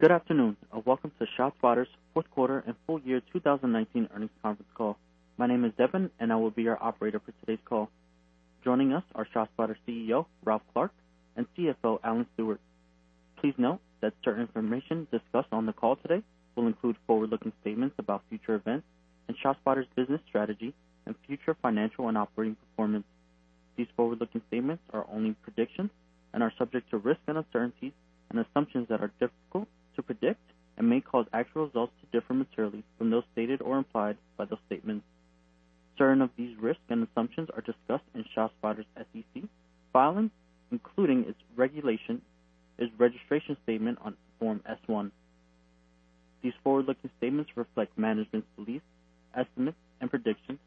Good afternoon, welcome to ShotSpotter's Fourth Quarter and Full Year 2019 Earnings Conference Call. My name is Devin, and I will be your operator for today's call. Joining us are ShotSpotter CEO, Ralph Clark, and CFO, Alan Stewart. Please note that certain information discussed on the call today will include forward-looking statements about future events and ShotSpotter's business strategy and future financial and operating performance. These forward-looking statements are only predictions and are subject to risks and uncertainties and assumptions that are difficult to predict and may cause actual results to differ materially from those stated or implied by the statements. Certain of these risks and assumptions are discussed in ShotSpotter's SEC filings, including its registration statement on Form S-1. These forward-looking statements reflect management's beliefs, estimates, and predictions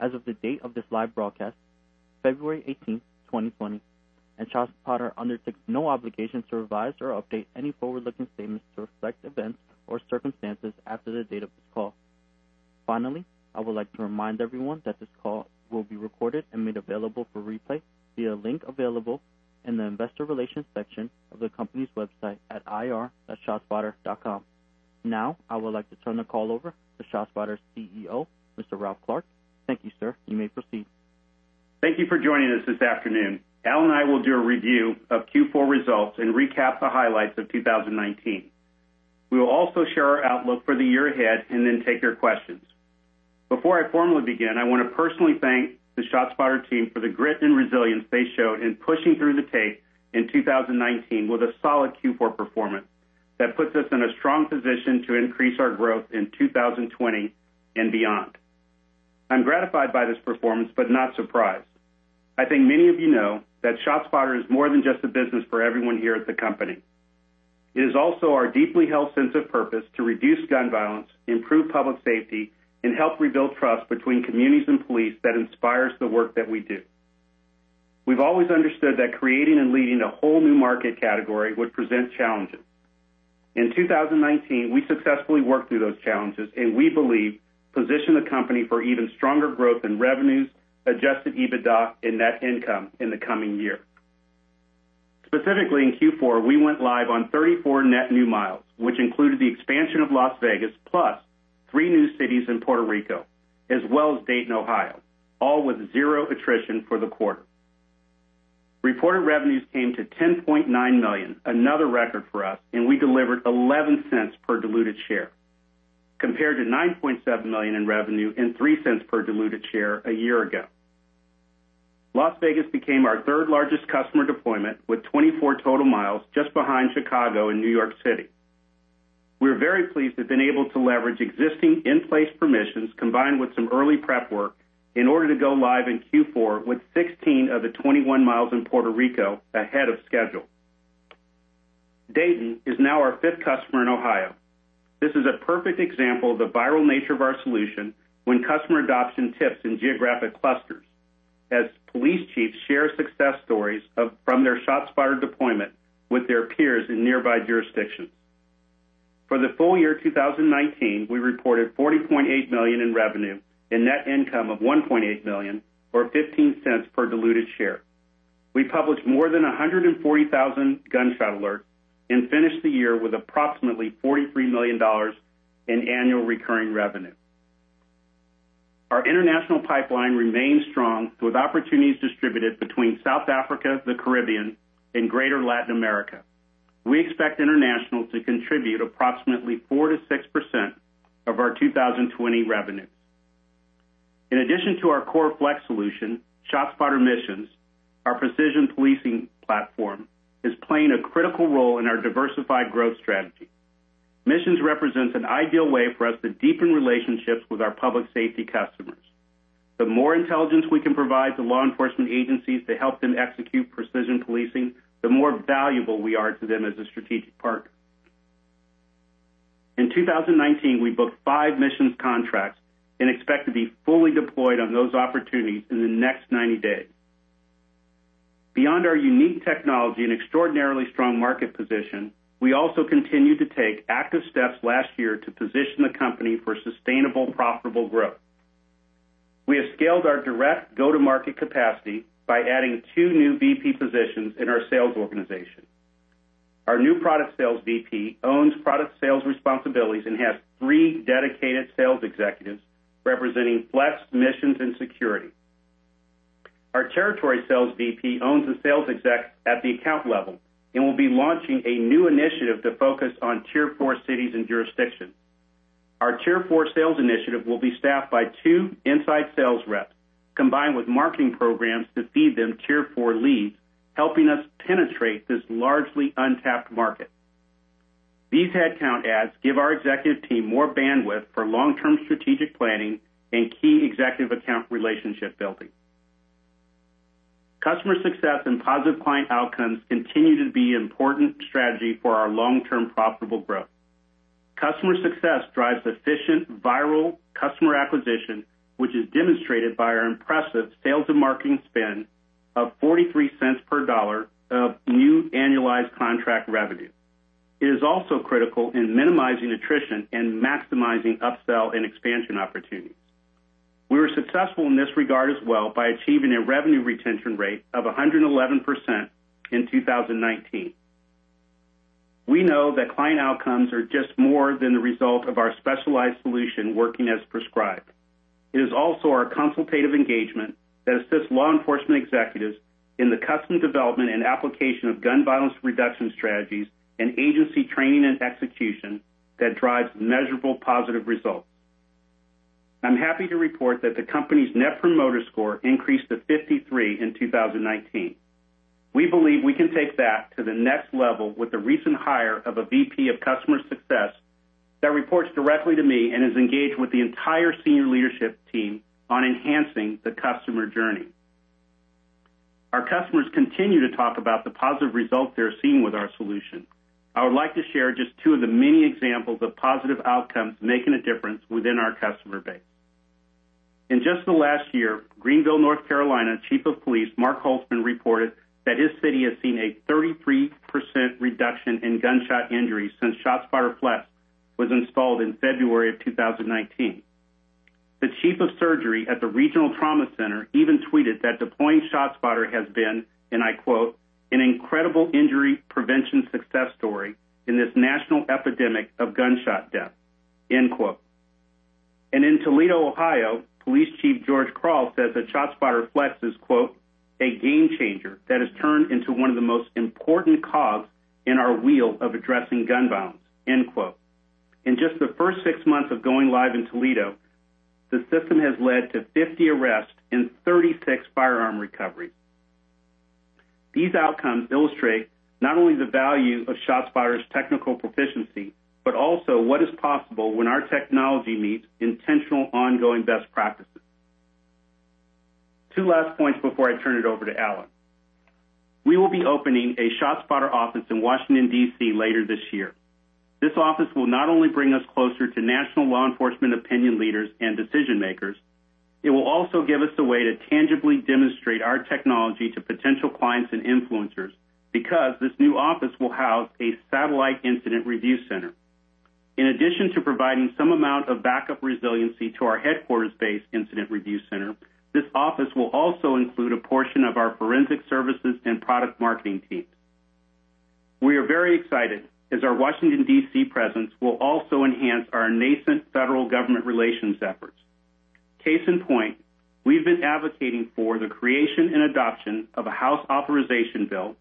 as of the date of this live broadcast, February 18th, 2020. ShotSpotter undertakes no obligation to revise or update any forward-looking statements to reflect events or circumstances after the date of this call. I would like to remind everyone that this call will be recorded and made available for replay via a link available in the investor relations section of the company's website at ir.shotspotter.com. I would like to turn the call over to ShotSpotter's CEO, Mr. Ralph Clark. Thank you, sir. You may proceed. Thank you for joining us this afternoon. Alan and I will do a review of Q4 results and recap the highlights of 2019. We will also share our outlook for the year ahead and then take your questions. Before I formally begin, I want to personally thank the ShotSpotter team for the grit and resilience they showed in pushing through the tape in 2019 with a solid Q4 performance that puts us in a strong position to increase our growth in 2020 and beyond. I'm gratified by this performance, but not surprised. I think many of you know that ShotSpotter is more than just a business for everyone here at the company. It is also our deeply held sense of purpose to reduce gun violence, improve public safety, and help rebuild trust between communities and police that inspires the work that we do. We've always understood that creating and leading a whole new market category would present challenges. In 2019, we successfully worked through those challenges and we believe positioned the company for even stronger growth in revenues, adjusted EBITDA, and net income in the coming year. Specifically, in Q4, we went live on 34 net new miles, which included the expansion of Las Vegas, plus three new cities in Puerto Rico, as well as Dayton, Ohio, all with zero attrition for the quarter. Reported revenues came to $10.9 million, another record for us, and we delivered $0.11 per diluted share, compared to $9.7 million in revenue and $0.03 per diluted share a year ago. Las Vegas became our third-largest customer deployment, with 24 total miles just behind Chicago and New York City. We're very pleased to have been able to leverage existing in-place permissions combined with some early prep work in order to go live in Q4 with 16 of the 21 miles in Puerto Rico ahead of schedule. Dayton is now our fifth customer in Ohio. This is a perfect example of the viral nature of our solution when customer adoption tips in geographic clusters as police chiefs share success stories from their ShotSpotter deployment with their peers in nearby jurisdictions. For the full year 2019, we reported $40.8 million in revenue and net income of $1.8 million, or $0.15 per diluted share. We published more than 140,000 gunshot alerts and finished the year with approximately $43 million in annual recurring revenue. Our international pipeline remains strong, with opportunities distributed between South Africa, the Caribbean, and Greater Latin America. We expect international to contribute approximately 4%-6% of our 2020 revenues. In addition to our core Flex solution, ShotSpotter Missions, our precision policing platform, is playing a critical role in our diversified growth strategy. Missions represents an ideal way for us to deepen relationships with our public safety customers. The more intelligence we can provide to law enforcement agencies to help them execute precision policing, the more valuable we are to them as a strategic partner. In 2019, we booked five Missions contracts and expect to be fully deployed on those opportunities in the next 90 days. Beyond our unique technology and extraordinarily strong market position, we also continued to take active steps last year to position the company for sustainable, profitable growth. We have scaled our direct go-to-market capacity by adding two new VP positions in our sales organization. Our new product sales VP owns product sales responsibilities and has three dedicated sales executives representing Flex, Missions, and Security. Our territory sales VP owns the sales execs at the account level and will be launching a new initiative to focus on Tier 4 cities and jurisdictions. Our Tier 4 sales initiative will be staffed by two inside sales reps, combined with marketing programs to feed them Tier 4 leads, helping us penetrate this largely untapped market. These headcount adds give our executive team more bandwidth for long-term strategic planning and key executive account relationship building. Customer success and positive client outcomes continue to be an important strategy for our long-term profitable growth. Customer success drives efficient, viral customer acquisition, which is demonstrated by our impressive sales and marketing spend of $0.43 per dollar of new annualized contract revenue. It is also critical in minimizing attrition and maximizing upsell and expansion opportunities. We were successful in this regard as well by achieving a revenue retention rate of 111% in 2019. We know that client outcomes are just more than the result of our specialized solution working as prescribed. It is also our consultative engagement that assists law enforcement executives in the custom development and application of gun violence reduction strategies and agency training and execution that drives measurable positive results. I'm happy to report that the company's Net Promoter Score increased to 53 in 2019. We believe we can take that to the next level with the recent hire of a VP of customer success that reports directly to me and is engaged with the entire senior leadership team on enhancing the customer journey. Our customers continue to talk about the positive results they're seeing with our solution. I would like to share just two of the many examples of positive outcomes making a difference within our customer base. In just the last year, Greenville, North Carolina Chief of Police, Mark Holtzman, reported that his city has seen a 33% reduction in gunshot injuries since ShotSpotter Flex was installed in February of 2019. The chief of surgery at the Regional Trauma Center even tweeted that deploying ShotSpotter has been, "An incredible injury prevention success story in this national epidemic of gunshot death." In Toledo, Ohio, Police Chief George Kral says that ShotSpotter Flex is, "A game changer that has turned into one of the most important cogs in our wheel of addressing gun violence." In just the first six months of going live in Toledo, the system has led to 50 arrests and 36 firearm recoveries. These outcomes illustrate not only the value of ShotSpotter's technical proficiency, but also what is possible when our technology meets intentional, ongoing best practices. Two last points before I turn it over to Alan. We will be opening a ShotSpotter office in Washington, D.C. later this year. This office will not only bring us closer to national law enforcement opinion leaders and decision-makers, it will also give us a way to tangibly demonstrate our technology to potential clients and influencers, because this new office will house a satellite incident review center. In addition to providing some amount of backup resiliency to our headquarters-based incident review center, this office will also include a portion of our forensic services and product marketing teams. We are very excited as our Washington, D.C. presence will also enhance our nascent federal government relations efforts. Case in point, we've been advocating for the creation and adoption of a House authorization bill,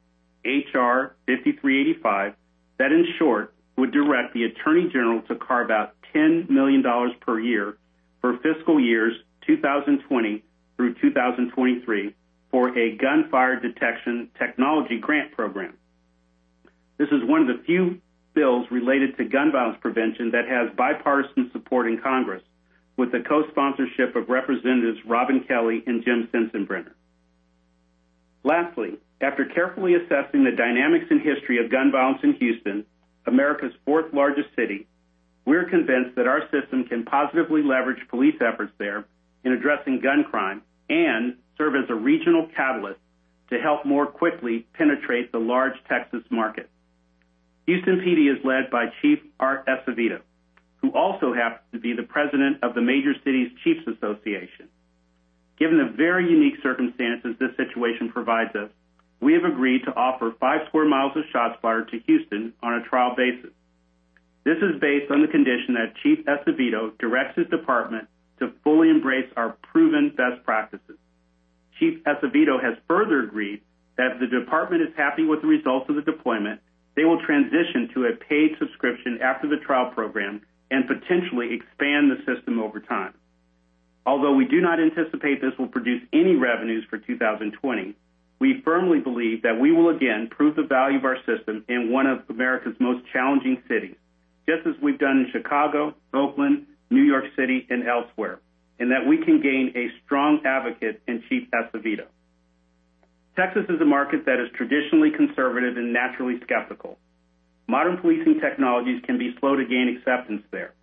H.R.5385, that in short would direct the Attorney General to carve out $10 million per year for fiscal years 2020 through 2023 for a gunfire detection technology grant program. This is one of the few bills related to gun violence prevention that has bipartisan support in Congress, with the co-sponsorship of Representatives Robin Kelly and Jim Sensenbrenner. Lastly, after carefully assessing the dynamics and history of gun violence in Houston, America's fourth-largest city, we're convinced that our system can positively leverage police efforts there in addressing gun crime and serve as a regional catalyst to help more quickly penetrate the large Texas market. Houston PD is led by Chief Art Acevedo, who also happens to be the President of the Major Cities Chiefs Association. Given the very unique circumstances this situation provides us, we have agreed to offer five square miles of ShotSpotter to Houston on a trial basis. This is based on the condition that Chief Acevedo directs his department to fully embrace our proven best practices. Chief Acevedo has further agreed that if the department is happy with the results of the deployment, they will transition to a paid subscription after the trial program and potentially expand the system over time. Although we do not anticipate this will produce any revenues for 2020, we firmly believe that we will again prove the value of our system in one of America's most challenging cities, just as we've done in Chicago, Oakland, New York City, and elsewhere, and that we can gain a strong advocate in Chief Acevedo. Texas is a market that is traditionally conservative and naturally skeptical. Modern policing technologies can be slow to gain acceptance there.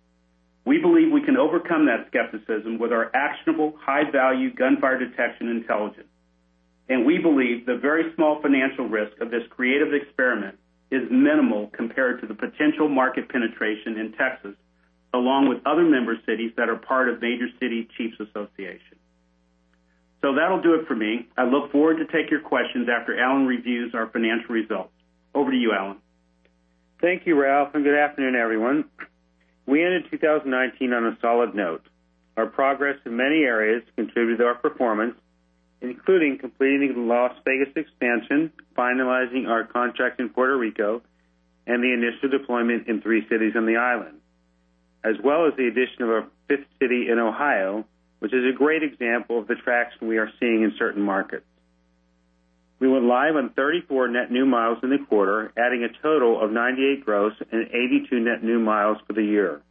We believe we can overcome that skepticism with our actionable, high-value gunfire detection intelligence. We believe the very small financial risk of this creative experiment is minimal compared to the potential market penetration in Texas, along with other member cities that are part of Major Cities Chiefs Association. That'll do it for me. I look forward to take your questions after Alan reviews our financial results. Over to you, Alan. Thank you, Ralph, and good afternoon, everyone. We ended 2019 on a solid note. Our progress in many areas contributed to our performance, including completing the Las Vegas expansion, finalizing our contract in Puerto Rico, and the initial deployment in three cities on the island. As well as the addition of a fifth city in Ohio, which is a great example of the traction we are seeing in certain markets. We went live on 34 net new miles in the quarter, adding a total of 98 gross and 82 net new miles for the year.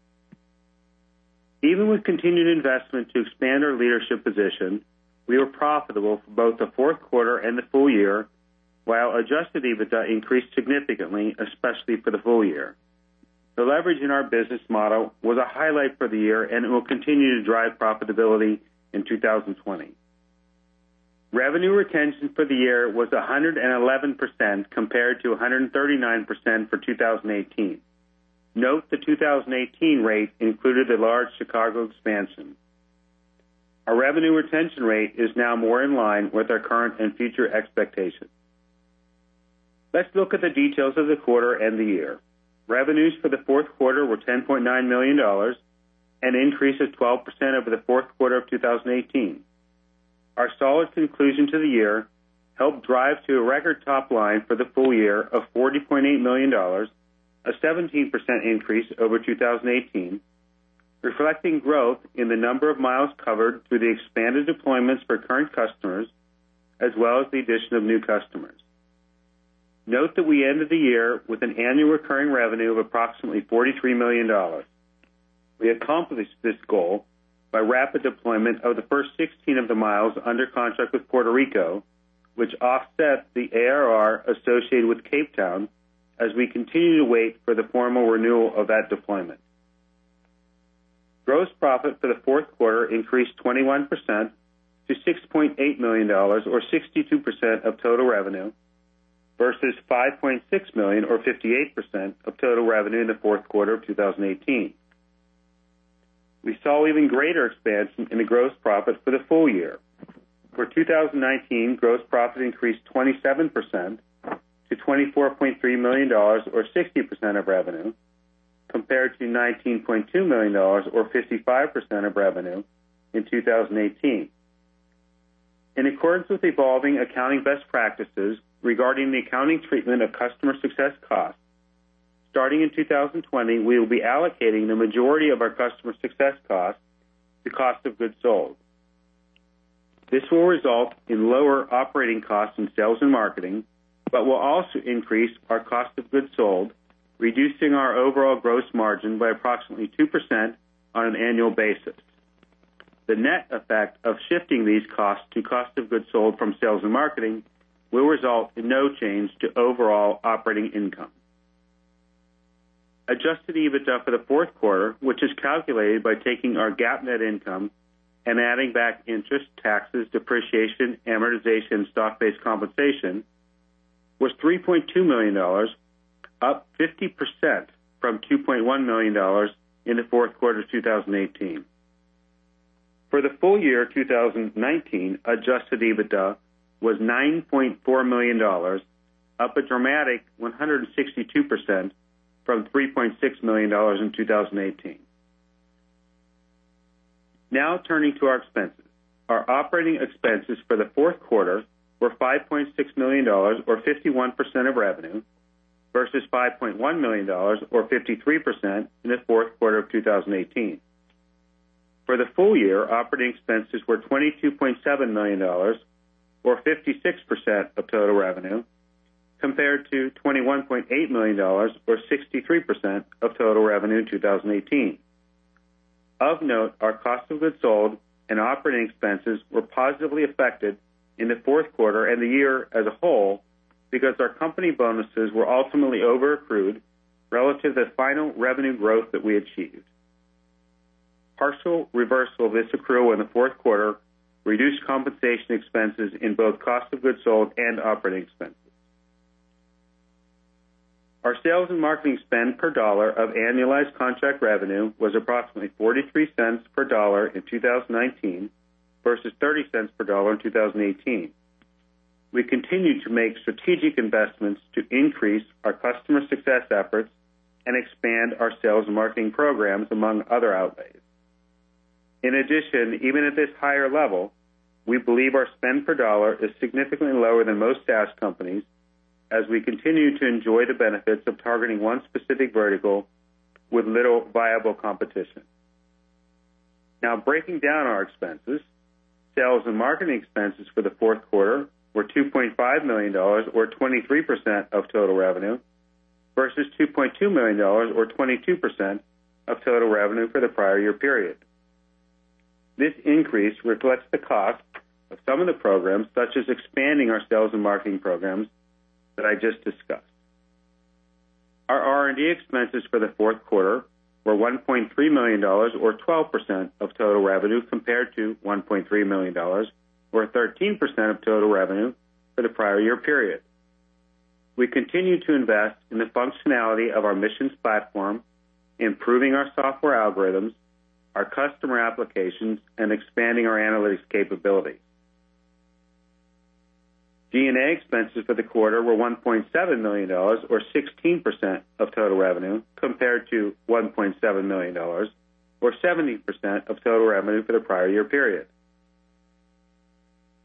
Even with continued investment to expand our leadership position, we were profitable for both the fourth quarter and the full year, while adjusted EBITDA increased significantly, especially for the full year. The leverage in our business model was a highlight for the year, and it will continue to drive profitability in 2020. Revenue retention for the year was 111% compared to 139% for 2018. Note the 2018 rate included the large Chicago expansion. Our revenue retention rate is now more in line with our current and future expectations. Let's look at the details of the quarter and the year. Revenues for the fourth quarter were $10.9 million, an increase of 12% over the fourth quarter of 2018. Our solid conclusion to the year helped drive to a record top line for the full year of $40.8 million, a 17% increase over 2018, reflecting growth in the number of miles covered through the expanded deployments for current customers, as well as the addition of new customers. Note that we ended the year with an annual recurring revenue of approximately $43 million. We accomplished this goal by rapid deployment of the first 16 of the miles under contract with Puerto Rico, which offset the ARR associated with Cape Town as we continue to wait for the formal renewal of that deployment. Gross profit for the fourth quarter increased 21% to $6.8 million or 62% of total revenue versus $5.6 million or 58% of total revenue in the fourth quarter of 2018. We saw even greater expansion in the gross profit for the full year. For 2019, gross profit increased 27% to $24.3 million or 60% of revenue, compared to $19.2 million or 55% of revenue in 2018. In accordance with evolving accounting best practices regarding the accounting treatment of customer success costs, starting in 2020, we will be allocating the majority of our customer success costs to cost of goods sold. This will result in lower operating costs in sales and marketing, will also increase our cost of goods sold, reducing our overall gross margin by approximately 2% on an annual basis. The net effect of shifting these costs to cost of goods sold from sales and marketing will result in no change to overall operating income. Adjusted EBITDA for the fourth quarter, which is calculated by taking our GAAP net income and adding back interest, taxes, depreciation, amortization, and stock-based compensation, was $3.2 million, up 50% from $2.1 million in the fourth quarter of 2018. For the full year 2019, adjusted EBITDA was $9.4 million, up a dramatic 162% from $3.6 million in 2018. Turning to our expenses. Our operating expenses for the fourth quarter were $5.6 million or 51% of revenue versus $5.1 million or 53% in the fourth quarter of 2018. For the full year, operating expenses were $22.7 million or 56% of total revenue compared to $21.8 million or 63% of total revenue in 2018. Of note, our cost of goods sold and operating expenses were positively affected in the fourth quarter and the year as a whole because our company bonuses were ultimately overaccrued relative to final revenue growth that we achieved. Partial reversal of this accrual in the fourth quarter reduced compensation expenses in both cost of goods sold and operating expenses. Our sales and marketing spend per dollar of annualized contract revenue was approximately $0.43 per dollar in 2019 versus $0.30 per dollar in 2018. We continued to make strategic investments to increase our customer success efforts and expand our sales and marketing programs, among other outlays. In addition, even at this higher level, we believe our spend per dollar is significantly lower than most SaaS companies as we continue to enjoy the benefits of targeting one specific vertical with little viable competition. Now breaking down our expenses, sales and marketing expenses for the fourth quarter were $2.5 million or 23% of total revenue versus $2.2 million or 22% of total revenue for the prior year period. This increase reflects the cost of some of the programs, such as expanding our sales and marketing programs that I just discussed. Our R&D expenses for the fourth quarter were $1.3 million or 12% of total revenue compared to $1.3 million or 13% of total revenue for the prior year period. We continue to invest in the functionality of our Missions platform, improving our software algorithms, our customer applications, and expanding our analytics capability. G&A expenses for the quarter were $1.7 million or 16% of total revenue compared to $1.7 million or 17% of total revenue for the prior year period.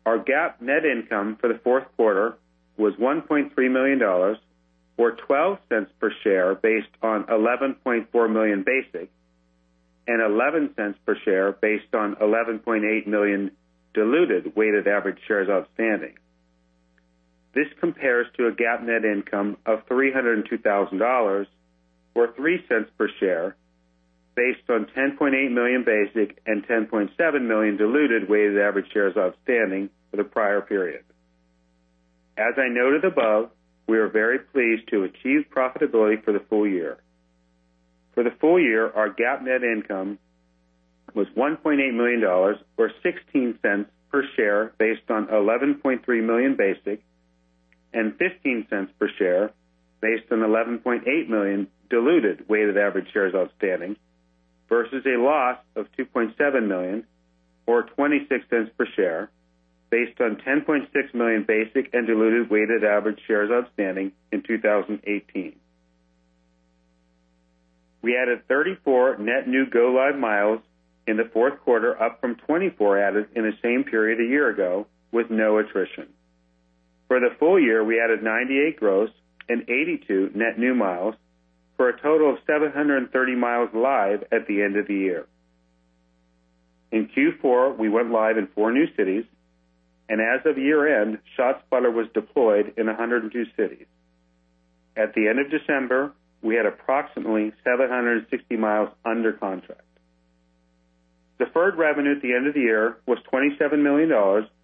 Our GAAP net income for the fourth quarter was $1.3 million or $0.12 per share based on 11.4 million basic and $0.11 per share based on 11.8 million diluted weighted average shares outstanding. This compares to a GAAP net income of $302,000 or $0.03 per share based on 10.8 million basic and 10.7 million diluted weighted average shares outstanding for the prior period. As I noted above, we are very pleased to achieve profitability for the full year. For the full year, our GAAP net income was $1.8 million, or $0.16 per share based on 11.3 million basic, and $0.15 per share based on 11.8 million diluted weighted average shares outstanding, versus a loss of $2.7 million, or $0.26 per share, based on 10.6 million basic and diluted weighted average shares outstanding in 2018. We added 34 net new go-live miles in the fourth quarter, up from 24 added in the same period a year ago, with no attrition. For the full year, we added 98 gross and 82 net new miles, for a total of 730 miles live at the end of the year. In Q4, we went live in four new cities, and as of year-end, ShotSpotter was deployed in 102 cities. At the end of December, we had approximately 760 miles under contract. Deferred revenue at the end of the year was $27 million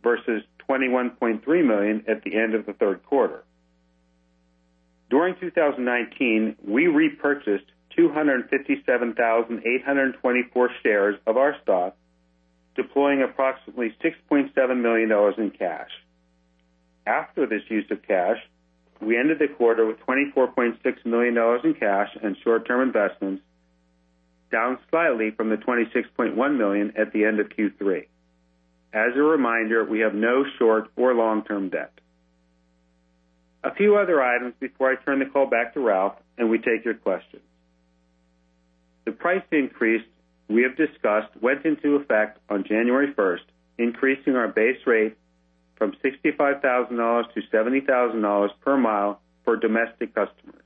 versus $21.3 million at the end of the third quarter. During 2019, we repurchased 257,824 shares of our stock, deploying approximately $6.7 million in cash. After this use of cash, we ended the quarter with $24.6 million in cash and short-term investments, down slightly from the $26.1 million at the end of Q3. As a reminder, we have no short or long-term debt. A few other items before I turn the call back to Ralph and we take your questions. The price increase we have discussed went into effect on January 1st, increasing our base rate from $65,000 to $70,000 per mile for domestic customers.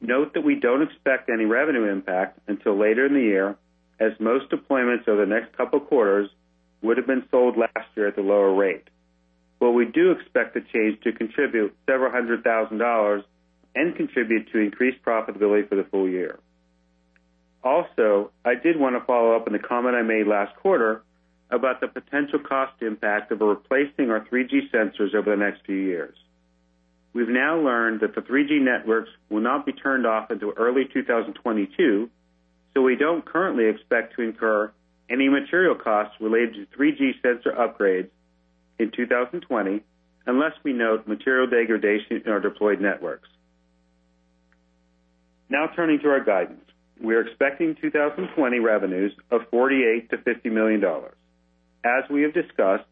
Note that we don't expect any revenue impact until later in the year, as most deployments over the next couple quarters would've been sold last year at the lower rate. We do expect the change to contribute several hundred thousand dollars and contribute to increased profitability for the full year. Also, I did want to follow up on the comment I made last quarter about the potential cost impact of replacing our 3G sensors over the next few years. We've now learned that the 3G networks will not be turned off until early 2022. We don't currently expect to incur any material costs related to 3G sensor upgrades in 2020, unless we note material degradation in our deployed networks. Now turning to our guidance. We are expecting 2020 revenues of $48 million-$50 million. As we have discussed,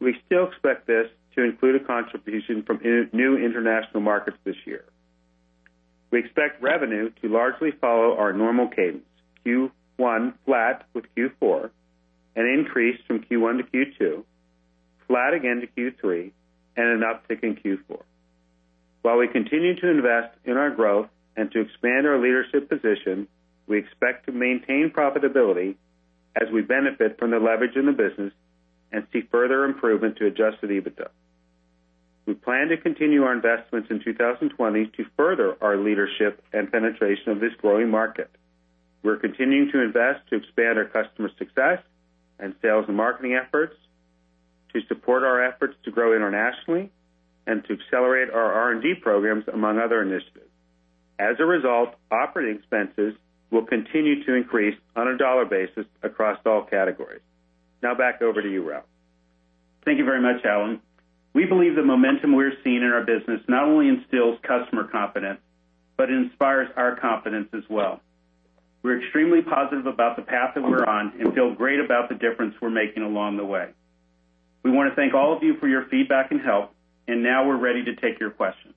we still expect this to include a contribution from new international markets this year. We expect revenue to largely follow our normal cadence, Q1 flat with Q4, an increase from Q1 to Q2, flat again to Q3, and an uptick in Q4. While we continue to invest in our growth and to expand our leadership position, we expect to maintain profitability as we benefit from the leverage in the business and see further improvement to adjusted EBITDA. We plan to continue our investments in 2020 to further our leadership and penetration of this growing market. We're continuing to invest to expand our customer success and sales and marketing efforts to support our efforts to grow internationally and to accelerate our R&D programs, among other initiatives. As a result, operating expenses will continue to increase on a dollar basis across all categories. Now back over to you, Ralph. Thank you very much, Alan. We believe the momentum we're seeing in our business not only instills customer confidence, but inspires our confidence as well. We're extremely positive about the path that we're on and feel great about the difference we're making along the way. We want to thank all of you for your feedback and help, and now we're ready to take your questions.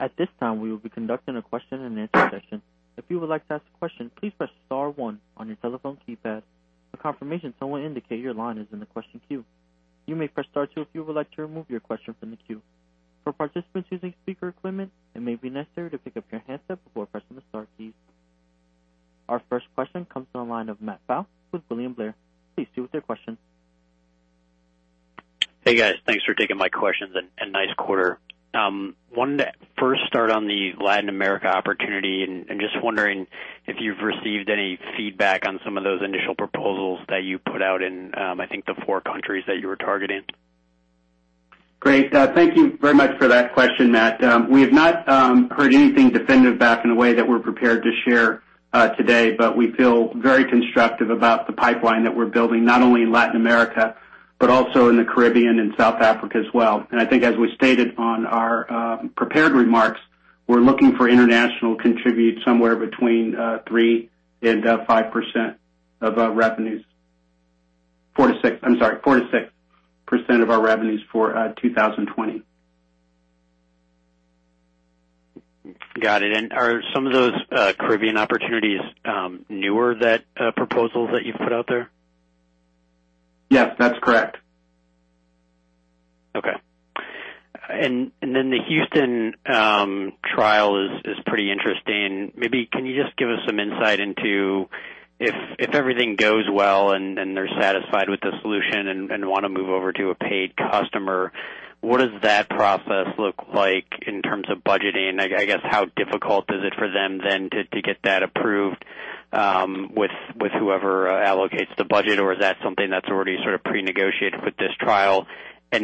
At this time, we will be conducting a question-and-answer session. If you would like to ask a question, please press star one on your telephone keypad. A confirmation tone will indicate your line is in the question queue. You may press star two if you would like to remove your question from the queue. For participants using speaker equipment, it may be necessary to pick up your handset before pressing the star keys. Our first question comes from the line of Matt Pfau with William Blair. Please proceed with your question. Hey, guys. Thanks for taking my questions and nice quarter. Wanted to first start on the Latin America opportunity, and just wondering if you've received any feedback on some of those initial proposals that you put out in, I think, the four countries that you were targeting. Great. Thank you very much for that question, Matt. We have not heard anything definitive back in a way that we're prepared to share today, but we feel very constructive about the pipeline that we're building, not only in Latin America, but also in the Caribbean and South Africa as well. I think as we stated on our prepared remarks, we're looking for international contribute somewhere between 3% and 5% of our revenues. 4% to 6% of our revenues for 2020. Got it. Are some of those Caribbean opportunities newer proposals that you've put out there? Yes, that's correct. Okay. The Houston trial is pretty interesting. Maybe can you just give us some insight into if everything goes well and they're satisfied with the solution and want to move over to a paid customer, what does that process look like? In terms of budgeting, I guess how difficult is it for them then to get that approved with whoever allocates the budget? Is that something that's already pre-negotiated with this trial? As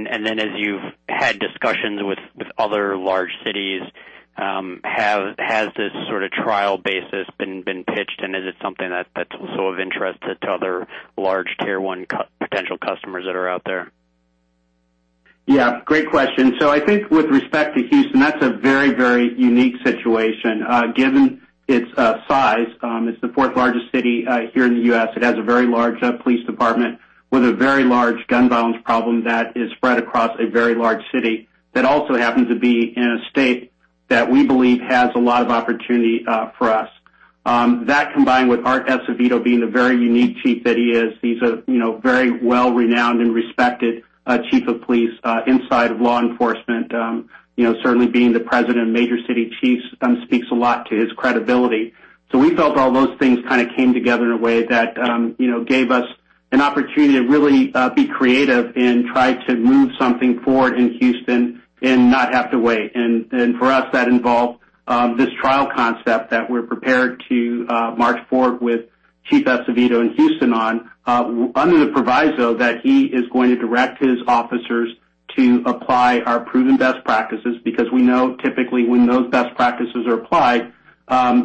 you've had discussions with other large cities, has this sort of trial basis been pitched, and is it something that's also of interest to other large Tier 1 potential customers that are out there? Yeah. Great question. I think with respect to Houston, that's a very unique situation given its size. It's the fourth largest city here in the U.S. It has a very large police department with a very large gun violence problem that is spread across a very large city. That also happens to be in a state that we believe has a lot of opportunity for us. That combined with Art Acevedo being the very unique chief that he is, he's a very well renowned and respected chief of police inside of law enforcement. Certainly being the president of Major City Chiefs speaks a lot to his credibility. We felt all those things kind of came together in a way that gave us an opportunity to really be creative and try to move something forward in Houston and not have to wait. For us, that involved this trial concept that we're prepared to march forward with Chief Acevedo in Houston on, under the proviso that he is going to direct his officers to apply our proven best practices, because we know typically when those best practices are applied,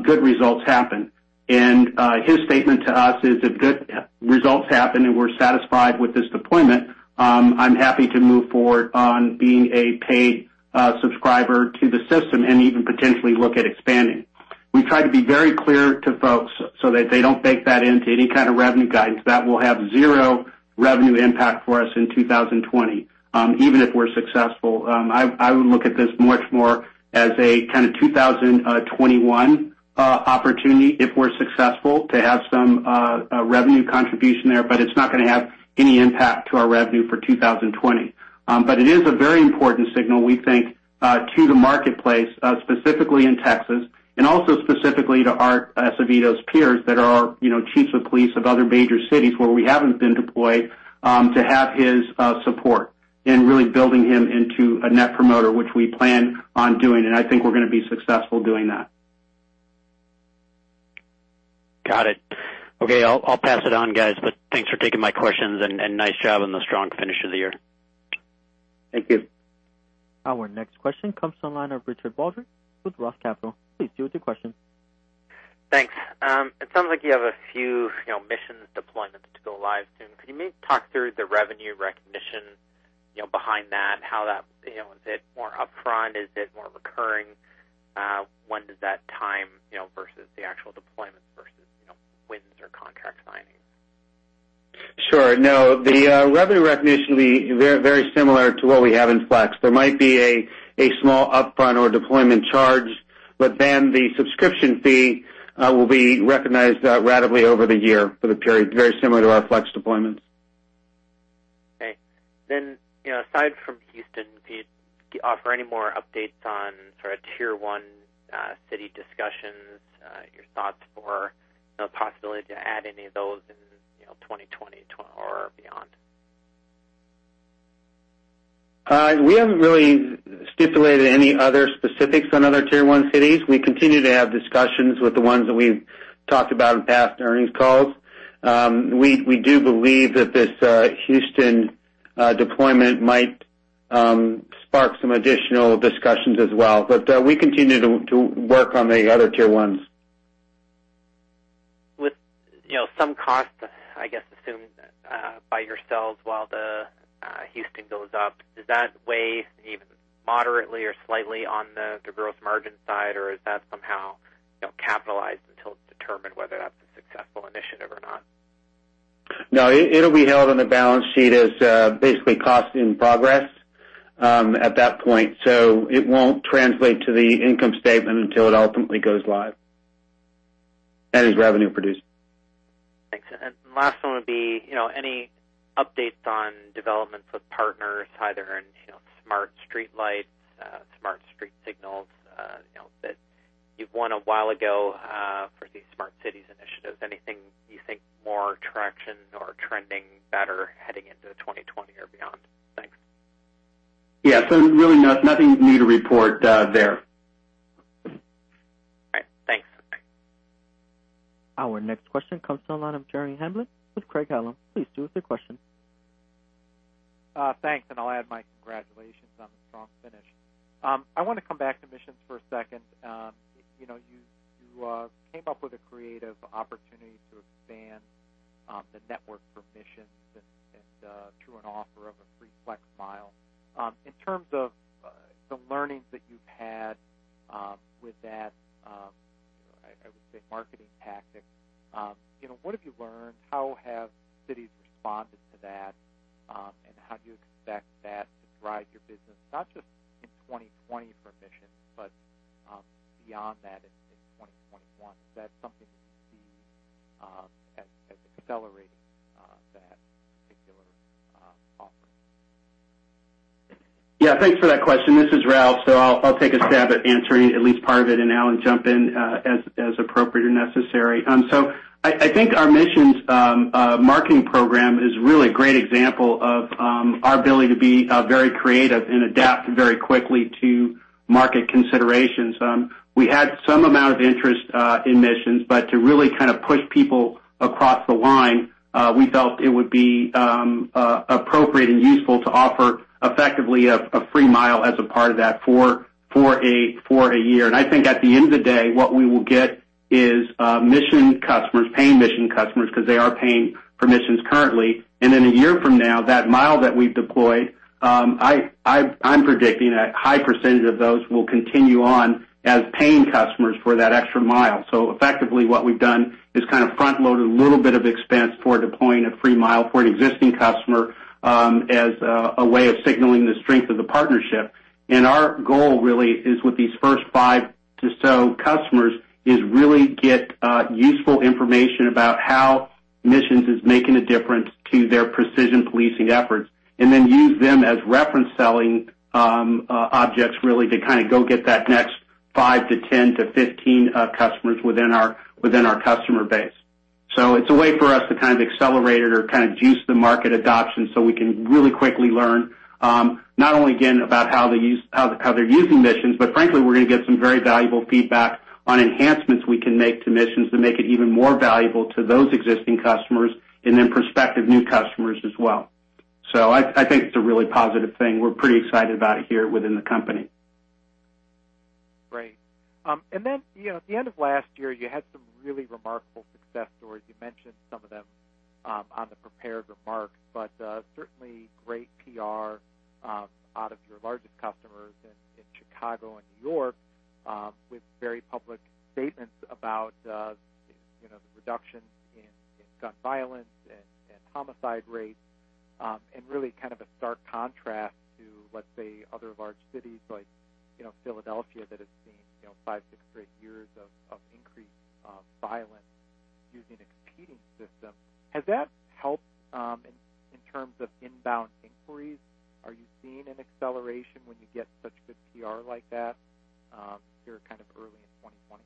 good results happen. His statement to us is if good results happen and we're satisfied with this deployment, I'm happy to move forward on being a paid subscriber to the system and even potentially look at expanding. We try to be very clear to folks so that they don't bake that into any kind of revenue guidance. That will have zero revenue impact for us in 2020. Even if we're successful. I would look at this much more as a kind of 2021 opportunity if we're successful to have some revenue contribution there, but it's not going to have any impact to our revenue for 2020. It is a very important signal, we think, to the marketplace, specifically in Texas, and also specifically to Art Acevedo's peers that are chiefs of police of other major cities where we haven't been deployed, to have his support in really building him into a Net Promoter, which we plan on doing. I think we're going to be successful doing that. Got it. Okay. I'll pass it on, guys, but thanks for taking my questions and nice job on the strong finish of the year. Thank you. Our next question comes from the line of Richard Baldry with Roth Capital. Please do with your question. Thanks. It sounds like you have a few Missions deployments to go live soon. Could you maybe talk through the revenue recognition behind that and how is it more upfront? Is it more recurring? When does that time versus the actual deployment versus wins or contract signings? Sure. The revenue recognition will be very similar to what we have in Flex. There might be a small upfront or deployment charge, but then the subscription fee will be recognized ratably over the year for the period, very similar to our Flex deployments. Okay. Aside from Houston, can you offer any more updates on sort of Tier 1 city discussions, your thoughts or possibility to add any of those in 2020 or beyond? We haven't really stipulated any other specifics on other Tier 1 cities. We continue to have discussions with the ones that we've talked about in past earnings calls. We do believe that this Houston deployment might spark some additional discussions as well. We continue to work on the other Tier 1s. With some cost, I guess, assumed by yourselves while the Houston goes up, does that weigh even moderately or slightly on the gross margin side, or is that somehow capitalized until it's determined whether that's a successful initiative or not? No, it'll be held on the balance sheet as basically cost in progress at that point. It won't translate to the income statement until it ultimately goes live and is revenue producing. Thanks. Last one would be any updates on developments with partners, either in smart streetlights, smart street signals that you've won a while ago for these smart cities initiatives? Anything you think more traction or trending better heading into 2020 or beyond? Thanks. Yeah. Really nothing new to report there. All right. Thanks. Our next question comes from the line of Jeremy Hamblin with Craig-Hallum. Please do with your question. Thanks. I'll add my congratulations on the strong finish. I want to come back to Missions for a second. You came up with a creative opportunity to expand the network for Missions and through an offer of a free Flex Mile. In terms of the learnings that you've had with that, I would say marketing tactic, what have you learned? How have cities responded to that, and how do you expect that to drive your business, not just in 2020 for Missions, but beyond that in 2021? Is that something that you see as accelerating? Yeah. Thanks for that question. This is Ralph. I'll take a stab at answering at least part of it, and Alan, jump in as appropriate or necessary. I think our Missions marketing program is really a great example of our ability to be very creative and adapt very quickly to market considerations. We had some amount of interest in Missions, but to really push people across the line, we felt it would be appropriate and useful to offer effectively a free mile as a part of that for a year. I think at the end of the day, what we will get is paying Missions customers, because they are paying for Missions currently. In a year from now, that mile that we've deployed, I'm predicting that a high percentage of those will continue on as paying customers for that extra mile. Effectively what we've done is front-loaded a little bit of expense for deploying a free mile for an existing customer as a way of signaling the strength of the partnership. Our goal really is with these first five to some customers, is really get useful information about how Missions is making a difference to their precision policing efforts, and then use them as reference selling objects really to go get that next five to 10 to 15 customers within our customer base. It's a way for us to accelerate it or juice the market adoption so we can really quickly learn, not only again, about how they're using Missions, but frankly, we're going to get some very valuable feedback on enhancements we can make to Missions to make it even more valuable to those existing customers, and then prospective new customers as well. I think it's a really positive thing. We're pretty excited about it here within the company. Great. At the end of last year, you had some really remarkable success stories. You mentioned some of them on the prepared remarks, but certainly great PR out of your largest customers in Chicago and New York with very public statements about the reduction in gun violence and homicide rates, and really kind of a stark contrast to, let's say, other large cities like Philadelphia that has seen five, six, seven years of increased violence using a competing system. Has that helped in terms of inbound inquiries? Are you seeing an acceleration when you get such good PR like that here kind of early in 2020?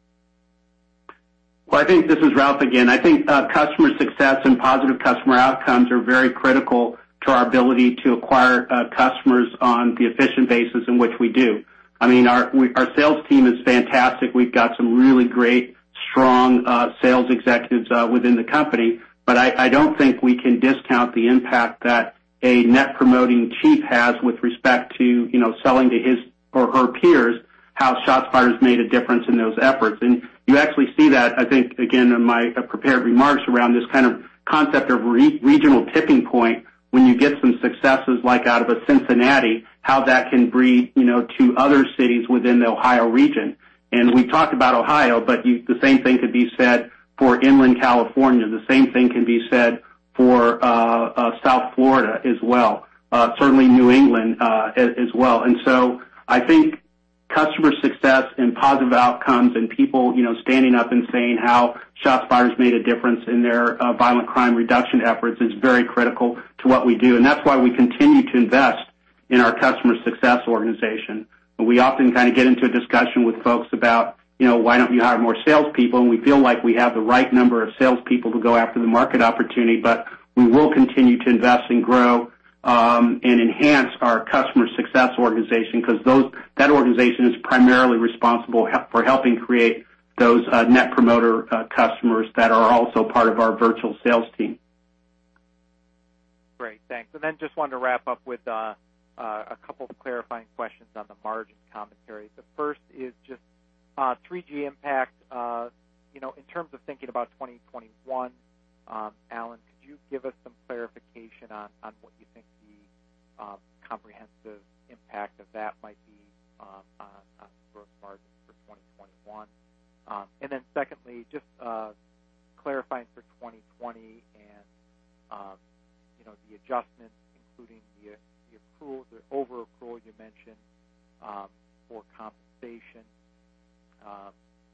Well, this is Ralph again. I think customer success and positive customer outcomes are very critical to our ability to acquire customers on the efficient basis in which we do. I mean, our sales team is fantastic. We've got some really great, strong sales executives within the company. I don't think we can discount the impact that a net promoting chief has with respect to selling to his or her peers, how ShotSpotter's made a difference in those efforts. You actually see that, I think, again, in my prepared remarks around this kind of concept of regional tipping point, when you get some successes like out of a Cincinnati, how that can breed to other cities within the Ohio region. We talked about Ohio, but the same thing could be said for inland California. The same thing can be said for South Florida as well. Certainly, New England as well. I think customer success and positive outcomes and people standing up and saying how ShotSpotter's made a difference in their violent crime reduction efforts is very critical to what we do. That's why we continue to invest in our customer success organization. We often get into a discussion with folks about, "Why don't you hire more salespeople?" We feel like we have the right number of salespeople who go after the market opportunity. We will continue to invest and grow, and enhance our customer success organization because that organization is primarily responsible for helping create those Net Promoter customers that are also part of our virtual sales team. Great. Thanks. Just wanted to wrap up with a couple of clarifying questions on the margin commentary. The first is just 3G impact. In terms of thinking about 2021, Alan, could you give us some clarification on what you think the comprehensive impact of that might be on gross margin for 2021? Secondly, just clarifying for 2020 and the adjustments, including the over accrual you mentioned for compensation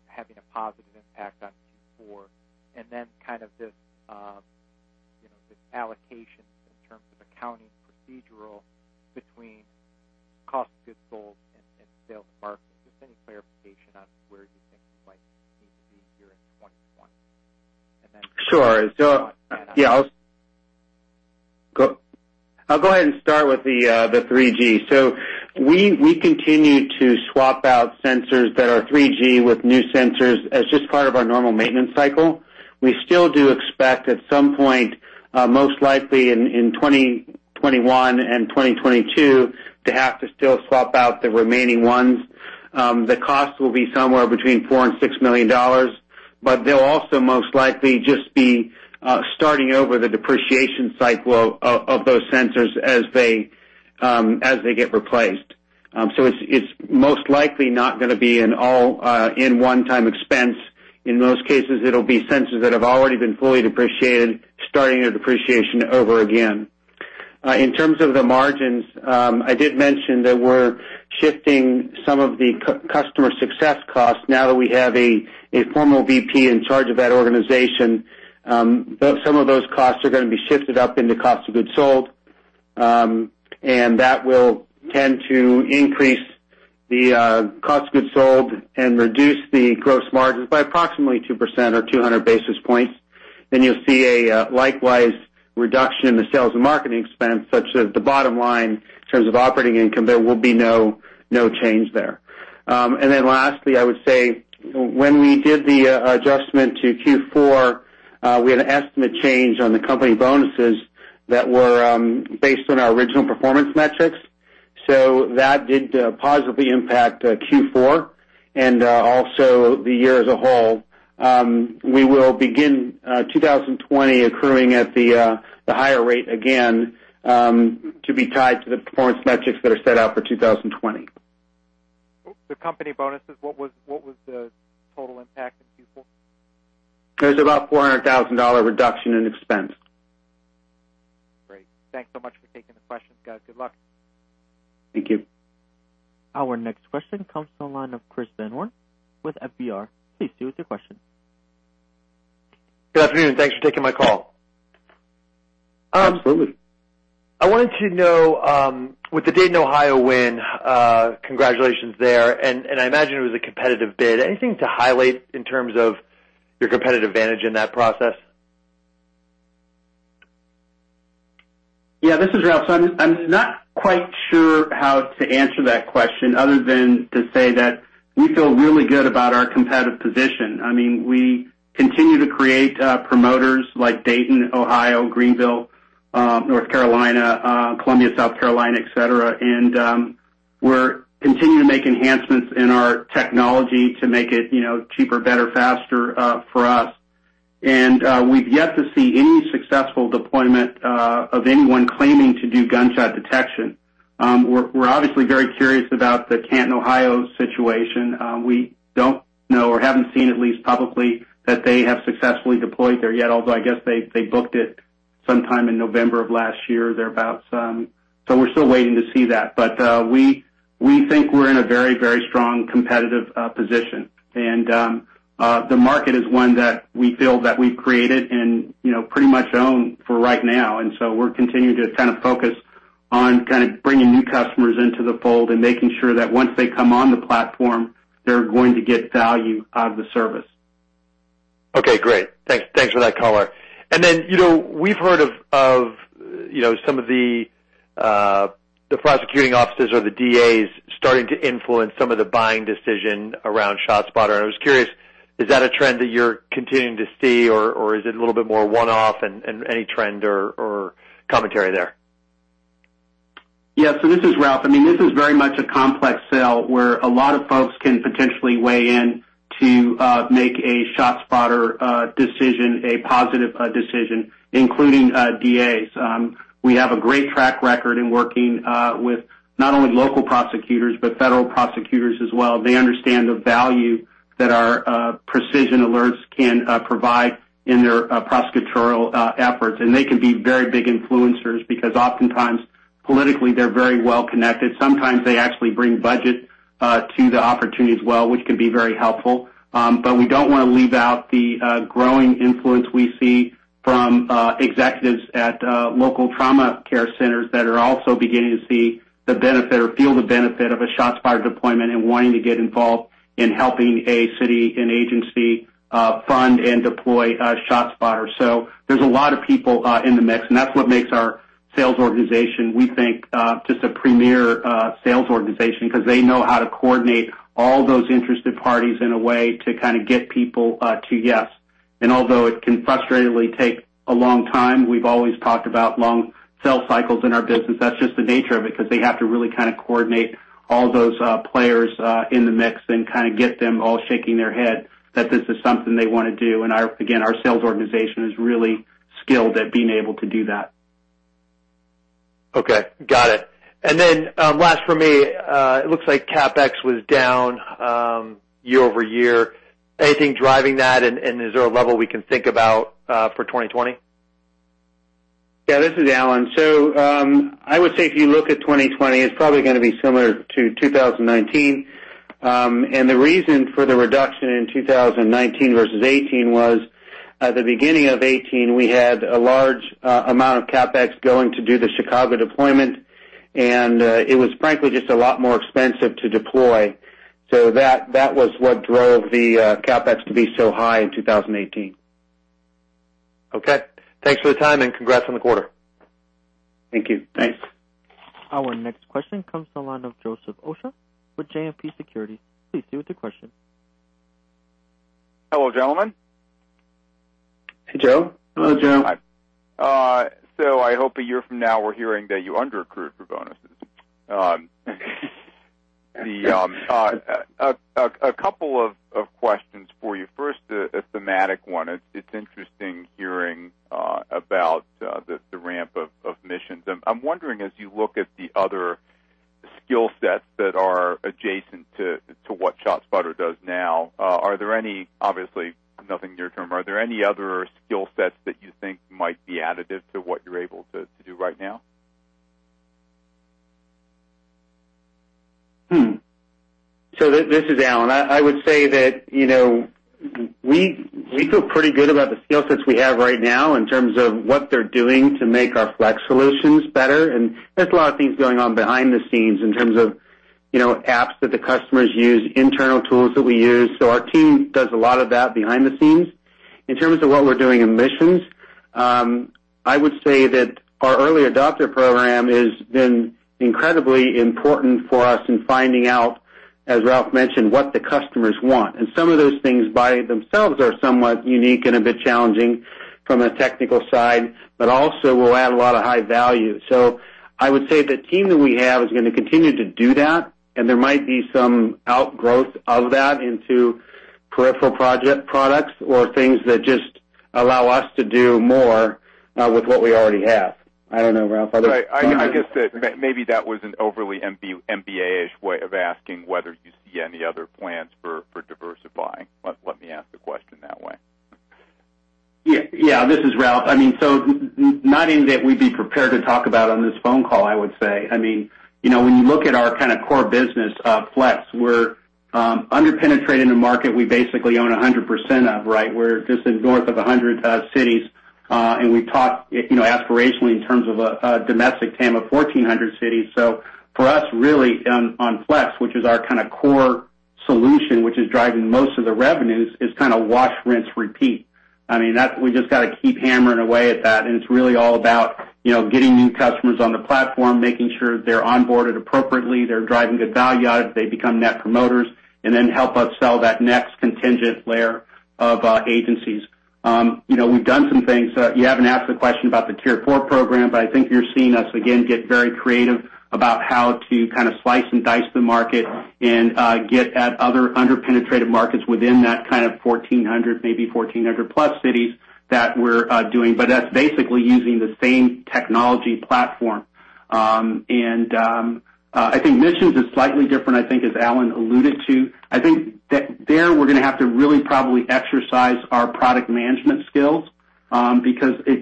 having a positive impact on Q4, and kind of this allocation in terms of accounting procedural between cost of goods sold and sales and marketing. Just any clarification on where you think you might need to be here in 2021. Sure. I'll go ahead and start with the 3G. We continue to swap out sensors that are 3G with new sensors as just part of our normal maintenance cycle. We still do expect at some point, most likely in 2021 and 2022, to have to still swap out the remaining ones. The cost will be somewhere between $4 million-$6 million. They'll also most likely just be starting over the depreciation cycle of those sensors as they get replaced. It's most likely not going to be an all in one-time expense. In most cases, it'll be sensors that have already been fully depreciated, starting their depreciation over again. In terms of the margins, I did mention that we're shifting some of the customer success costs now that we have a formal VP in charge of that organization. Some of those costs are going to be shifted up into cost of goods sold, that will tend to increase the cost of goods sold and reduce the gross margins by approximately 2% or 200 basis points. You'll see a likewise reduction in the sales and marketing expense, such that the bottom line in terms of operating income, there will be no change there. Lastly, I would say when we did the adjustment to Q4, we had an estimate change on the company bonuses that were based on our original performance metrics. That did positively impact Q4 and also the year as a whole. We will begin 2020 accruing at the higher rate again, to be tied to the performance metrics that are set out for 2020. The company bonuses, what was the total impact in Q4? It was about $400,000 reduction in expense. Great. Thanks so much for taking the questions. Guys, good luck. Thank you. Our next question comes from the line of Chris Van Horn with FBR. Please proceed with your question. Good afternoon. Thanks for taking my call. Absolutely. I wanted to know, with the Dayton, Ohio win, congratulations there. I imagine it was a competitive bid. Anything to highlight in terms of your competitive advantage in that process? Yeah, this is Ralph. I'm not quite sure how to answer that question other than to say that we feel really good about our competitive position. We continue to create promoters like Dayton, Ohio, Greenville, North Carolina, Columbia, South Carolina, et cetera, and we're continuing to make enhancements in our technology to make it cheaper, better, faster for us. We've yet to see any successful deployment of anyone claiming to do gunshot detection. We're obviously very curious about the Canton, Ohio situation. We don't know or haven't seen, at least publicly, that they have successfully deployed there yet, although I guess they booked it sometime in November of last year, thereabouts. We're still waiting to see that. We think we're in a very strong competitive position, and the market is one that we feel that we've created and pretty much own for right now. We're continuing to kind of focus on bringing new customers into the fold and making sure that once they come on the platform, they're going to get value out of the service. Okay, great. Thanks for that color. We've heard of some of the prosecuting officers or the DAs starting to influence some of the buying decision around ShotSpotter, and I was curious, is that a trend that you're continuing to see, or is it a little bit more one-off, and any trend or commentary there? This is Ralph. This is very much a complex sale where a lot of folks can potentially weigh in to make a ShotSpotter decision a positive decision, including DAs. We have a great track record in working with not only local prosecutors, but federal prosecutors as well. They understand the value that our precision alerts can provide in their prosecutorial efforts, and they can be very big influencers because oftentimes, politically, they're very well-connected. Sometimes they actually bring budget to the opportunity as well, which can be very helpful. We don't want to leave out the growing influence we see from executives at local trauma care centers that are also beginning to see the benefit or feel the benefit of a ShotSpotter deployment and wanting to get involved in helping a city, an agency fund and deploy ShotSpotter. There's a lot of people in the mix, and that's what makes our sales organization, we think, just a premier sales organization because they know how to coordinate all those interested parties in a way to kind of get people to yes. Although it can frustratingly take a long time, we've always talked about long sales cycles in our business. That's just the nature of it, because they have to really coordinate all those players in the mix and get them all shaking their head that this is something they want to do. Again, our sales organization is really skilled at being able to do that. Okay. Got it. Then last for me, it looks like CapEx was down year-over-year. Anything driving that, and is there a level we can think about for 2020? Yeah, this is Alan. I would say if you look at 2020, it's probably going to be similar to 2019. The reason for the reduction in 2019 versus 2018 was at the beginning of 2018, we had a large amount of CapEx going to do the Chicago deployment, and it was frankly just a lot more expensive to deploy. That was what drove the CapEx to be so high in 2018. Okay. Thanks for the time and congrats on the quarter. Thank you. Thanks. Our next question comes to the line of Joseph Osha with JMP Securities. Please proceed with your question. Hello, gentlemen. Hey, Joe. Hello, Joe. I hope a year from now we're hearing that you underaccrued for bonuses. A couple of questions for you. First, a thematic one. It's interesting hearing about the ramp of missions. I'm wondering, as you look at the other skill sets that are adjacent to what ShotSpotter does now, obviously nothing near-term, are there any other skill sets that you think might be additive to what you're able to do right now? This is Alan. I would say that we feel pretty good about the skill sets we have right now in terms of what they're doing to make our Flex solutions better. There's a lot of things going on behind the scenes in terms of apps that the customers use, internal tools that we use. Our team does a lot of that behind the scenes. In terms of what we're doing in Missions, I would say that our early adopter program has been incredibly important for us in finding out, as Ralph mentioned, what the customers want. Some of those things by themselves are somewhat unique and a bit challenging from a technical side, but also will add a lot of high value. I would say the team that we have is going to continue to do that, and there might be some outgrowth of that into peripheral products or things that just allow us to do more with what we already have. I don't know, Ralph. Right. I guess that maybe that was an overly MBA-ish way of asking whether you see any other plans for diversifying. Let me ask the question that way. Yeah. This is Ralph. Nothing that we'd be prepared to talk about on this phone call, I would say. When you look at our kind of core business, Flex, we're under-penetrated in a market we basically own 100% of, right? We're just in north of 100 cities, and we've talked aspirationally in terms of a domestic TAM of 1,400 cities. For us, really, on Flex, which is our kind of core solution, which is driving most of the revenues, is kind of wash, rinse, repeat. We just got to keep hammering away at that, and it's really all about getting new customers on the platform, making sure they're onboarded appropriately, they're driving good value out of it, they become Net Promoters, and then help us sell that next contingent layer of agencies. We've done some things. You haven't asked the question about the Tier 4 program, I think you're seeing us, again, get very creative about how to kind of slice and dice the market and get at other under-penetrated markets within that kind of 1,400, maybe 1,400 plus cities that we're doing. That's basically using the same technology platform. I think Missions is slightly different, I think, as Alan alluded to. I think that there we're going to have to really probably exercise our product management skills, because as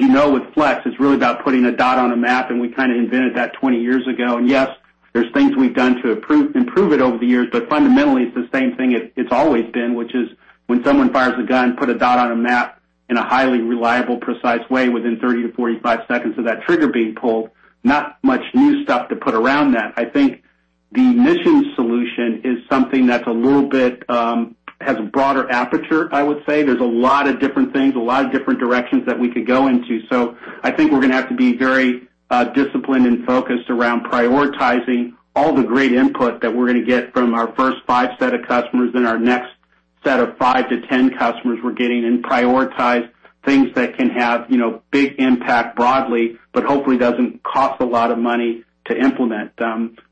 you know, with Flex, it's really about putting a dot on a map, and we kind of invented that 20 years ago. Yes, there's things we've done to improve it over the years, but fundamentally, it's the same thing it's always been, which is when someone fires a gun, put a dot on a map in a highly reliable, precise way within 30 to 45 seconds of that trigger being pulled. Not much new stuff to put around that. I think the missions solution is something that's a little bit, has a broader aperture, I would say. There's a lot of different things, a lot of different directions that we could go into. I think we're going to have to be very disciplined and focused around prioritizing all the great input that we're going to get from our first five set of customers, then our next set of five to 10 customers we're getting and prioritize things that can have big impact broadly, but hopefully doesn't cost a lot of money to implement.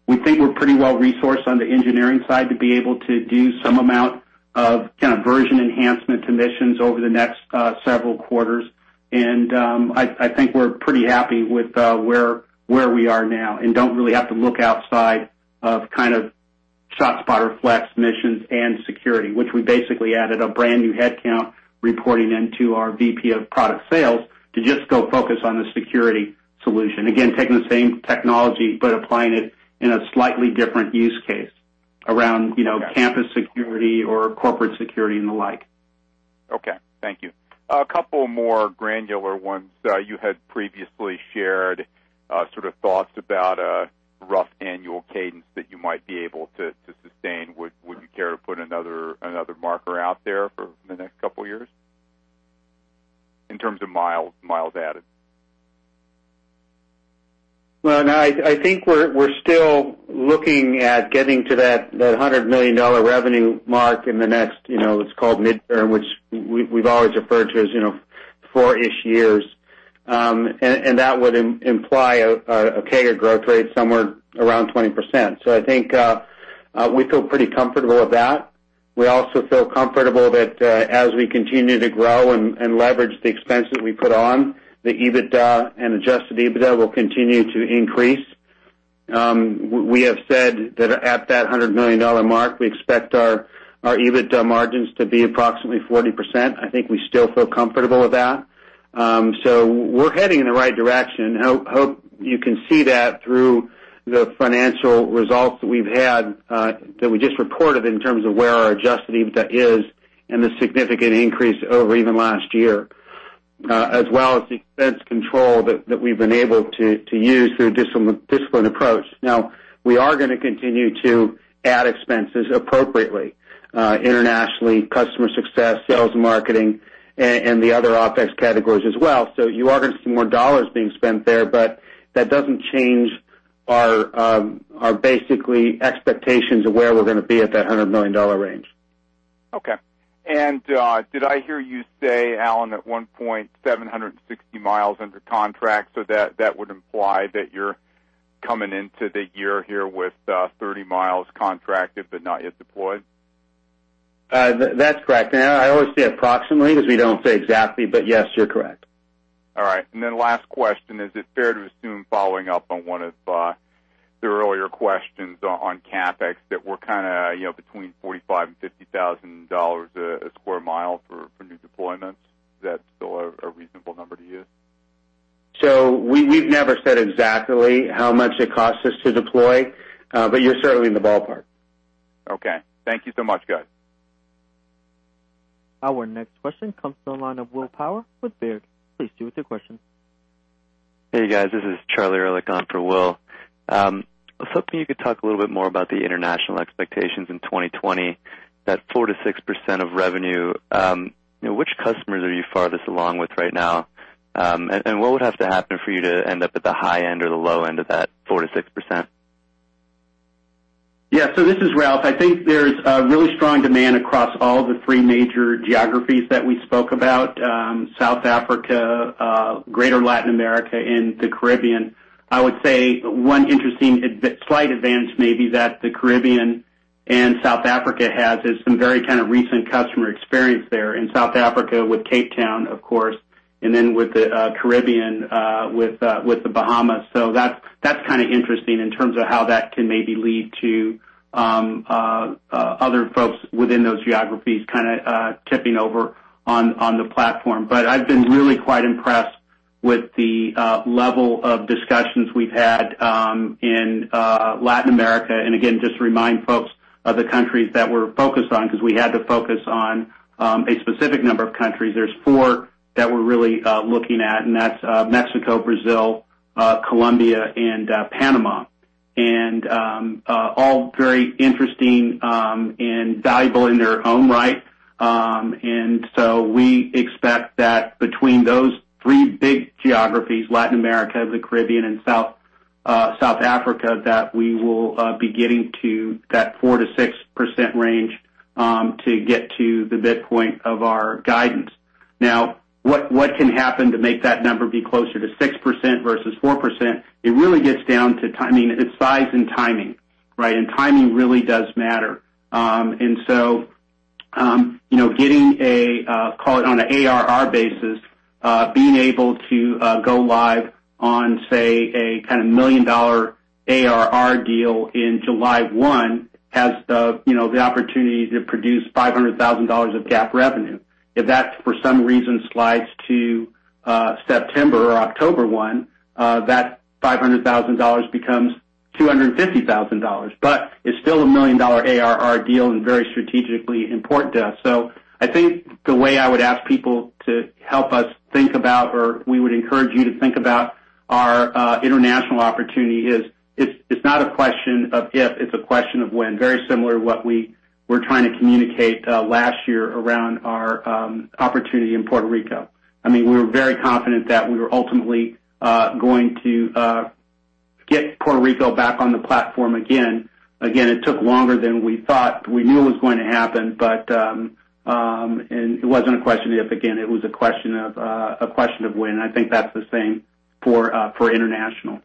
We think we're pretty well resourced on the engineering side to be able to do some amount of kind of version enhancement to Missions over the next several quarters. I think we're pretty happy with where we are now and don't really have to look outside of kind of ShotSpotter Flex Missions and Security, which we basically added a brand new headcount reporting into our VP of Product Sales to just go focus on the Security Solution. Again, taking the same technology, but applying it in a slightly different use case around campus security or corporate security and the like. Okay. Thank you. A couple more granular ones. You had previously shared sort of thoughts about a rough annual cadence that you might be able to sustain. Would you care to put another marker out there for the next couple of years in terms of miles added? Well, no, I think we're still looking at getting to that $100 million revenue mark in the next, what's called midterm, which we've always referred to as four-ish years. That would imply a CAGR growth rate somewhere around 20%. I think we feel pretty comfortable with that. We also feel comfortable that as we continue to grow and leverage the expense that we put on, the EBITDA and adjusted EBITDA will continue to increase. We have said that at that $100 million mark, we expect our EBITDA margins to be approximately 40%. I think we still feel comfortable with that. We're heading in the right direction. Hope you can see that through the financial results that we've had, that we just reported in terms of where our adjusted EBITDA is and the significant increase over even last year, as well as the expense control that we've been able to use through a disciplined approach. We are going to continue to add expenses appropriately, internationally, customer success, sales and marketing, and the other OpEx categories as well. You are going to see more dollars being spent there. That doesn't change our basically expectations of where we're going to be at that $100 million range. Okay. Did I hear you say, Alan, at one point, 760 mi under contract, that would imply that you're coming into the year here with 30 mi contracted but not yet deployed? That's correct. I always say approximately because we don't say exactly, but yes, you're correct. All right. Last question, is it fair to assume following up on one of the earlier questions on CapEx that we're kind of between $45,000 and $50,000 a square mile for new deployments? Is that still a reasonable number to use? We've never said exactly how much it costs us to deploy, but you're certainly in the ballpark. Okay. Thank you so much, guys. Our next question comes from the line of William Power with Baird. Please proceed with your question. Hey, guys. This is Charlie Erlikh on for Will. I was hoping you could talk a little bit more about the international expectations in 2020. That 4%-6% of revenue. Which customers are you farthest along with right now? What would have to happen for you to end up at the high end or the low end of that 4%-6%? Yeah. This is Ralph. I think there's a really strong demand across all the three major geographies that we spoke about, South Africa, Greater Latin America, and the Caribbean. I would say one interesting slight advance maybe that the Caribbean and South Africa has is some very kind of recent customer experience there in South Africa with Cape Town, of course, and then with the Caribbean, with the Bahamas. That's kind of interesting in terms of how that can maybe lead to other folks within those geographies kind of tipping over on the platform. I've been really quite impressed with the level of discussions we've had in Latin America. Again, just to remind folks of the countries that we're focused on, because we had to focus on a specific number of countries. There's four that we're really looking at, and that's Mexico, Brazil, Colombia, and Panama. All very interesting and valuable in their own right. We expect that between those three big geographies, Latin America, the Caribbean and South Africa, that we will be getting to that 4%-6% range to get to the midpoint of our guidance. Now, what can happen to make that number be closer to 6% versus 4%? It really gets down to timing. It's size and timing, right? Timing really does matter. Getting a, call it on an ARR basis, being able to go live on, say, a kind of million-dollar ARR deal in July 1 has the opportunity to produce $500,000 of GAAP revenue. If that for some reason slides to September or October 1, that $500,000 becomes $250,000, but it's still a million-dollar ARR deal and very strategically important to us. I think the way I would ask people to help us think about, or we would encourage you to think about our international opportunity is, it's not a question of if, it's a question of when. Very similar to what we were trying to communicate last year around our opportunity in Puerto Rico. We were very confident that we were ultimately going to get Puerto Rico back on the platform again. Again, it took longer than we thought. We knew it was going to happen, but it wasn't a question of if, again, it was a question of when. I think that's the same for international.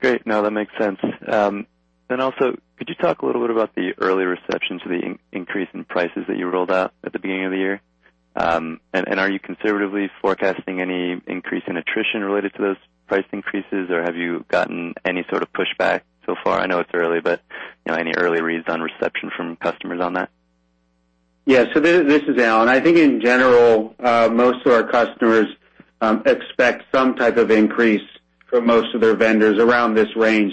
Great. No, that makes sense. Also, could you talk a little bit about the early reception to the increase in prices that you rolled out at the beginning of the year? Are you conservatively forecasting any increase in attrition related to those price increases, or have you gotten any sort of pushback so far? I know it's early, but any early reads on reception from customers on that? Yeah. This is Alan. I think in general, most of our customers expect some type of increase from most of their vendors around this range.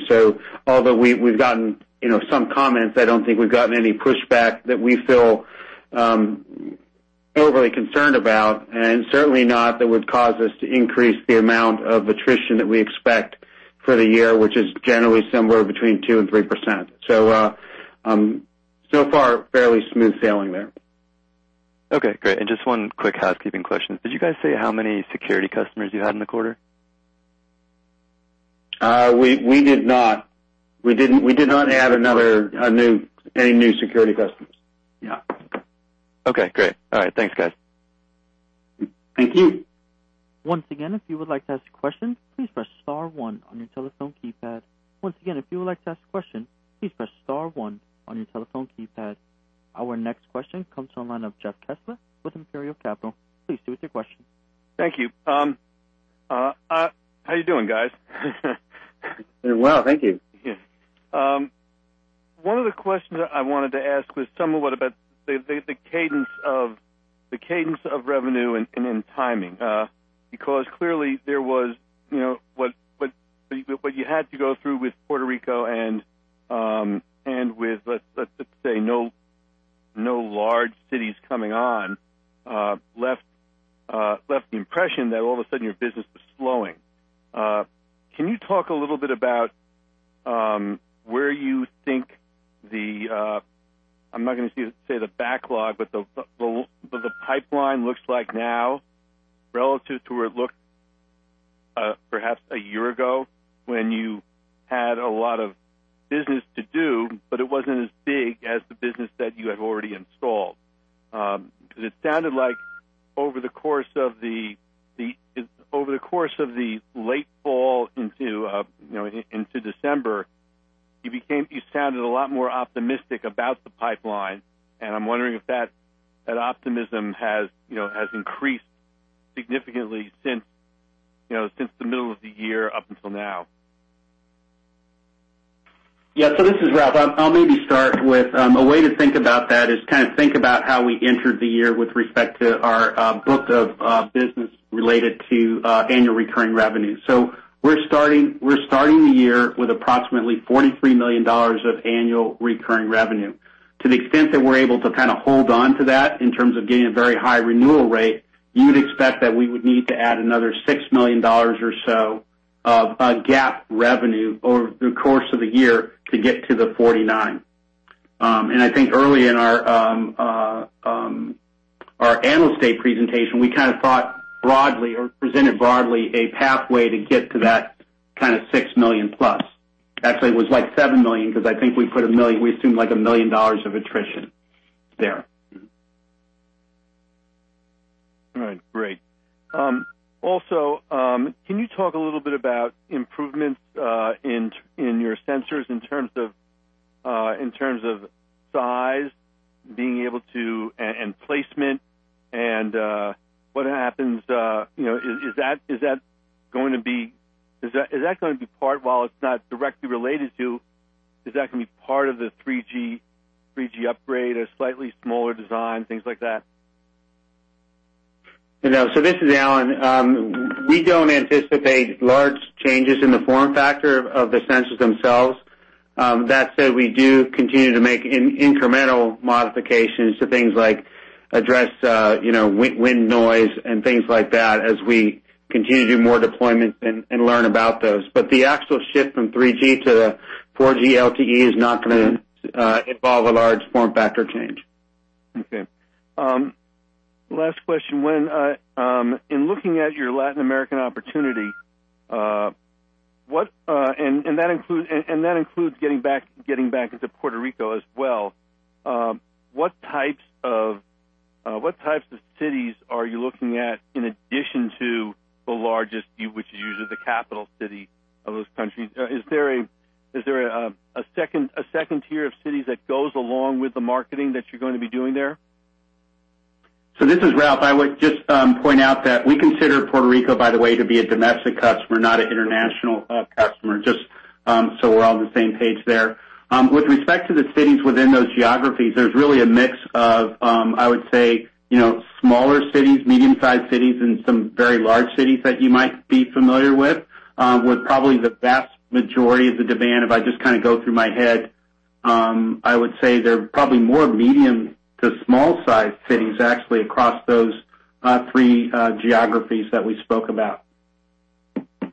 Although we've gotten some comments, I don't think we've gotten any pushback that we feel overly concerned about, and certainly not that would cause us to increase the amount of attrition that we expect for the year, which is generally somewhere between 2% and 3%. So far, fairly smooth sailing there. Just one quick housekeeping question. Did you guys say how many security customers you had in the quarter? We did not. We did not add any new security customers. Yeah. Okay, great. All right. Thanks, guys. Thank you. Once again, if you would like to ask a question, please press star one on your telephone keypad. Once again, if you would like to ask a question, please press star one on your telephone keypad. Our next question comes from the line of Jeff Kessler with Imperial Capital. Please proceed with your question. Thank you. How are you doing, guys? Doing well, thank you. Yeah. One of the questions I wanted to ask was somewhat about the cadence of revenue and then timing. Clearly there was what you had to go through with Puerto Rico and with, let's say, no large cities coming on, left the impression that all of a sudden your business was slowing. Can you talk a little bit about where you think the, I'm not going to say the backlog, but the pipeline looks like now relative to where it looked perhaps a year ago when you had a lot of business to do, but it wasn't as big as the business that you had already installed. It sounded like over the course of the late fall into December, you sounded a lot more optimistic about the pipeline, and I'm wondering if that optimism has increased significantly since the middle of the year up until now. Yeah. This is Ralph. I'll maybe start with, a way to think about that is think about how we entered the year with respect to our book of business related to annual recurring revenue. We're starting the year with approximately $43 million of annual recurring revenue. To the extent that we're able to hold onto that, in terms of getting a very high renewal rate, you would expect that we would need to add another $6 million or so of GAAP revenue over the course of the year to get to the 49. I think early in our analyst day presentation, we thought broadly or presented broadly a pathway to get to that kind of $6 million plus. Actually, it was like $7 million, because I think we assumed like $1 million of attrition there. All right, great. Can you talk a little bit about improvements in your sensors in terms of size and placement, and what happens? While it's not directly related to, is that going to be part of the 3G upgrade, a slightly smaller design, things like that? This is Alan. We don't anticipate large changes in the form factor of the sensors themselves. That said, we do continue to make incremental modifications to things like address wind noise and things like that as we continue to do more deployments and learn about those. The actual shift from 3G to 4G LTE is not going to involve a large form factor change. Okay. Last question. In looking at your Latin American opportunity, and that includes getting back into Puerto Rico as well, what types of cities are you looking at in addition to the largest, which is usually the capital city of those countries? Is there a second tier of cities that goes along with the marketing that you're going to be doing there? This is Ralph. I would just point out that we consider Puerto Rico, by the way, to be a domestic customer, not an international customer, just so we're all on the same page there. With respect to the cities within those geographies, there's really a mix of, I would say, smaller cities, medium-sized cities, and some very large cities that you might be familiar with. With probably the vast majority of the demand, if I just go through my head, I would say they're probably more medium to small size cities, actually, across those three geographies that we spoke about. All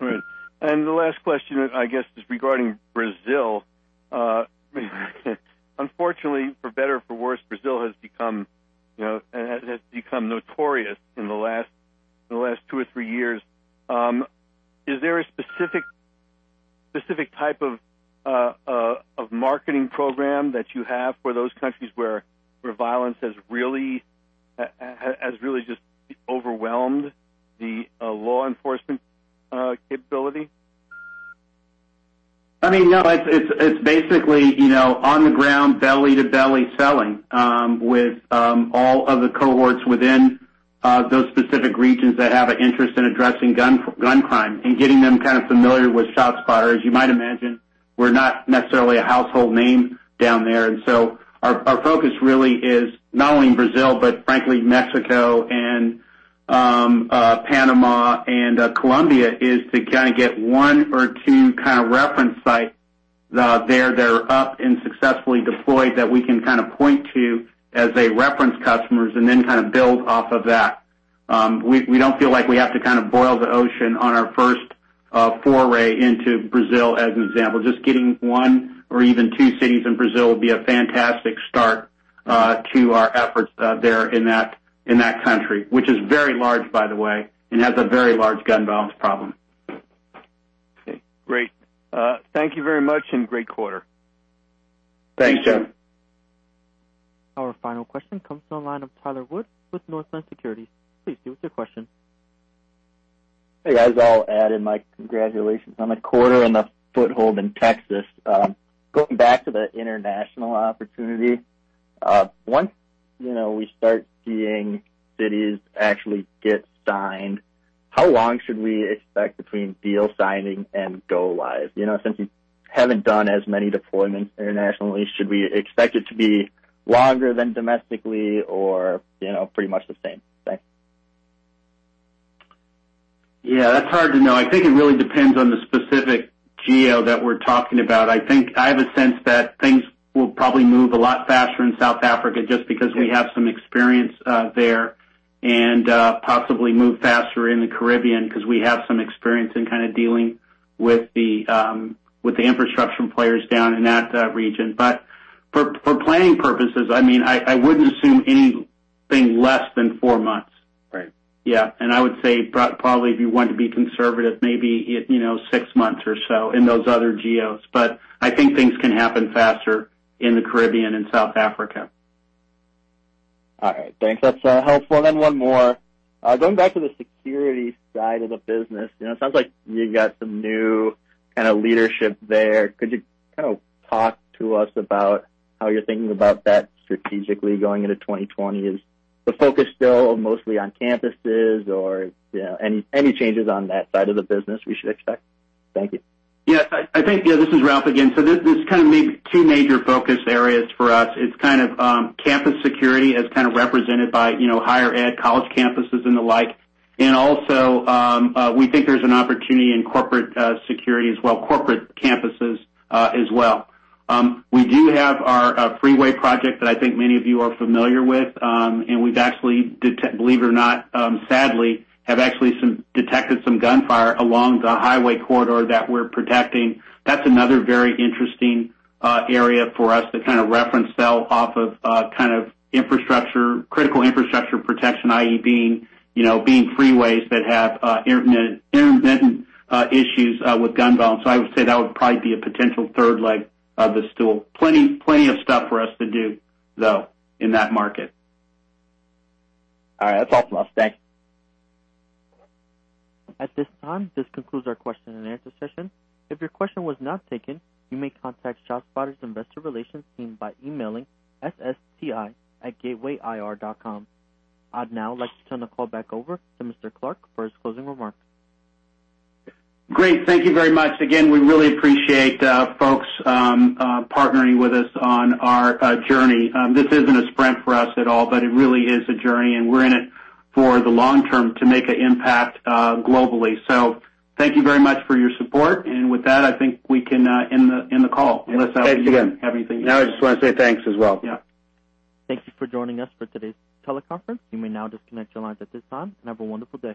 right. The last question, I guess, is regarding Brazil. Unfortunately, for better or for worse, Brazil has become notorious in the last two or three years. Is there a specific type of marketing program that you have for those countries where violence has really just overwhelmed the law enforcement capability? I mean, no. It's basically on-the-ground, belly-to-belly selling with all of the cohorts within those specific regions that have an interest in addressing gun crime and getting them kind of familiar with ShotSpotter. As you might imagine, we're not necessarily a household name down there. Our focus really is not only in Brazil, but frankly, Mexico and Panama and Colombia, is to get one or two kind of reference sites there that are up and successfully deployed that we can point to as a reference customers and then build off of that. We don't feel like we have to boil the ocean on our first foray into Brazil, as an example. Just getting one or even two cities in Brazil would be a fantastic start to our efforts there in that country, which is very large, by the way, and has a very large gun violence problem. Okay, great. Thank you very much. Great quarter. Thanks, Joe. Our final question comes from the line of Tyler Wood with Northland Securities. Please, what's your question? Hey, guys. I'll add in my congratulations on the quarter and the foothold in Texas. Going back to the international opportunity, once we start seeing cities actually get signed, how long should we expect between deal signing and go live? Since you haven't done as many deployments internationally, should we expect it to be longer than domestically or pretty much the same? Thanks. Yeah, that's hard to know. I think it really depends on the specific geo that we're talking about. I have a sense that things will probably move a lot faster in South Africa just because we have some experience there, and possibly move faster in the Caribbean because we have some experience in dealing with the infrastructure players down in that region. For planning purposes, I wouldn't assume anything less than four months. Right. Yeah. I would say, probably if you want to be conservative, maybe six months or so in those other geos. I think things can happen faster in the Caribbean and South Africa. All right. Thanks. That's helpful. One more. Going back to the security side of the business, it sounds like you got some new leadership there. Could you talk to us about how you're thinking about that strategically going into 2020? Is the focus still mostly on campuses, or any changes on that side of the business we should expect? Thank you. Yeah. This is Ralph again. There's kind of maybe two major focus areas for us. It's campus security as represented by higher ed, college campuses, and the like. Also, we think there's an opportunity in corporate security as well, corporate campuses as well. We do have our freeway project that I think many of you are familiar with. We've actually, believe it or not, sadly, have actually detected some gunfire along the highway corridor that we're protecting. That's another very interesting area for us to reference sell off of critical infrastructure protection, i.e., being freeways that have intermittent issues with gun violence. I would say that would probably be a potential third leg of the stool. Plenty of stuff for us to do, though, in that market. All right. That's all for us. Thanks. At this time, this concludes our question and answer session. If your question was not taken, you may contact ShotSpotter's investor relations team by emailing ssti@gatewayir.com. I'd now like to turn the call back over to Mr. Clark for his closing remarks. Great. Thank you very much. Again, we really appreciate folks partnering with us on our journey. This isn't a sprint for us at all, but it really is a journey, and we're in it for the long term to make an impact globally. Thank you very much for your support. With that, I think we can end the call, unless Alan, you have anything to say. Thanks again. No, I just want to say thanks as well. Yeah. Thank you for joining us for today's teleconference. You may now disconnect your lines at this time, and have a wonderful day.